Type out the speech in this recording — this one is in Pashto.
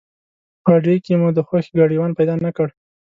په اډې کې مو د خوښې ګاډیوان پیدا نه کړ.